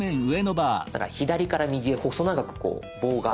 だから左から右へ細長く棒が。